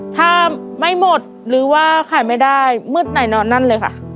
ถ้าไม่หมดหรือว่าขายไม่ได้มืดไหนนอนนั่นเลยค่ะ